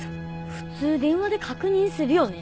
普通電話で確認するよね。